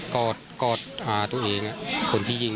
กอดอ่าตัวเอง